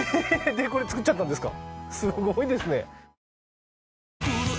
でこれ造っちゃったんですか？